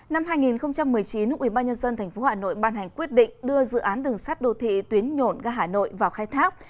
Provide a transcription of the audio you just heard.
năm hai nghìn một mươi chín nục ủy ban nhân dân tp hà nội ban hành quyết định đưa dự án đường sắt đô thị tuyến nhộn gà hà nội vào khai thác